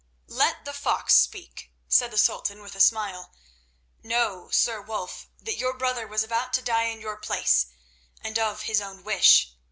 "Let the fox speak," said the Sultan with a smile. "Know, Sir Wulf, that your brother was about to die in your place, and of his own wish.